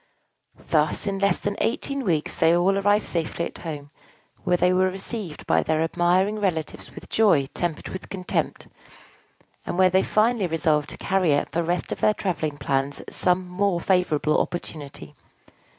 Thus in less than eighteen weeks they all arrived safely at home, where they were received by their admiring relatives with joy tempered with contempt, and where they finally resolved to carry out the rest of their travelling plans at some more favorable opportunity.